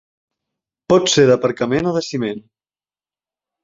Pot ser d'aparcament o de ciment.